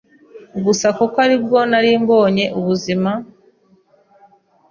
gusa kuko ari bwo nari mbonye ubuzima